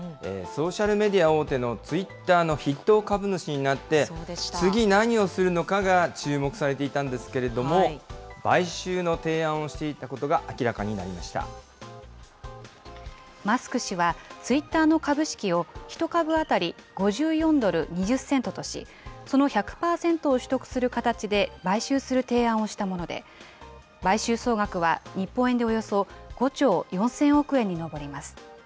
ソーシャルメディア大手のツイッターの筆頭株主になって、次、何をするのかが注目されていたんですけれども、買収の提案をしてマスク氏は、ツイッターの株式を１株当たり５４ドル２０セントとし、その１００％を取得する形で買収する提案をしたもので、買収総額は日本円でおよそ５兆４０００億円に上ります。